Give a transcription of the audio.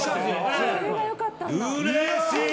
うれしい！